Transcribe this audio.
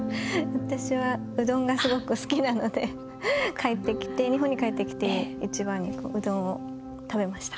私はうどんがすごく好きなので帰ってきて、日本に帰ってきて一番にうどんを食べました。